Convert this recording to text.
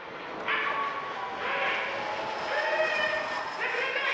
なくなったわよ。